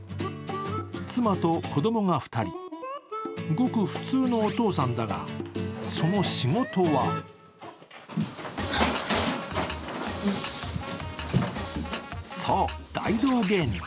妻と子供が２人、ごく普通のお父さんだが、その仕事はそう、大道芸人。